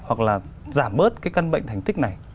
hoặc là giảm bớt cái căn bệnh thành tích này